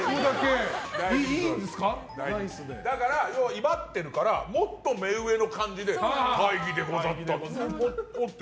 威張っているからもっと目上の感じで大儀でござったって。